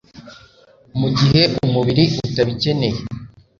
mu gihe umubiri utabikeneye